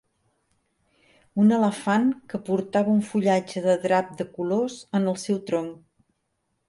un elefant que portava un fullatge de drap de colors en el seu tronc.